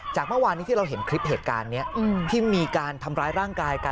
เมื่อวานนี้ที่เราเห็นคลิปเหตุการณ์นี้ที่มีการทำร้ายร่างกายกัน